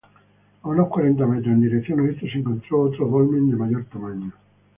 A unos cuarenta metros en dirección oeste se encontró otro dolmen de mayor tamaño.